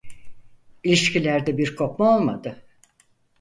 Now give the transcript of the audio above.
İlişkilerde bir kopma olmadı.